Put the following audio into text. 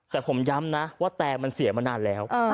แต่ผมย้ำนะว่าแตงมันเสียมานานแล้ว